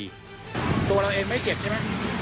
ตัวเราเองไม่เจ็บใช่ไหม